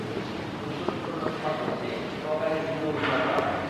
টুকরো টুকরো নোটের পাশাপাশি একটি ছোট আকারের ইঁদুরও উদ্ধার করা হয়।